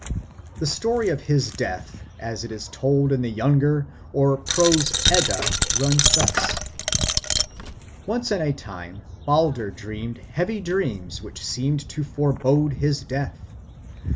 The story of his death, as it is told in the younger or prose Edda, runs thus. Once on a time Balder dreamed heavy dreams which seemed to forebode his death.